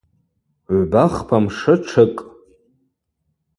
Гӏвба-хпа мшы тшыкӏ.